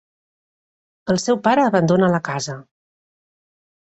El seu pare abandona la casa.